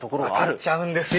分かっちゃうんですよ！